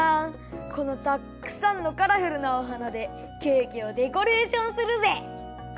このたっくさんのカラフルなお花でケーキをデコレーションするぜ！